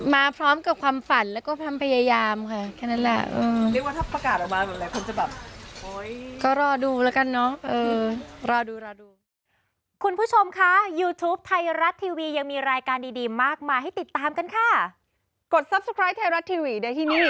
มาพร้อมกับความฝันแล้วก็ความพยายามค่ะแค่นั้นแหละ